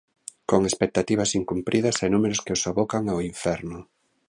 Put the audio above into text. Con expectativas incumpridas e números que os abocan ao inferno.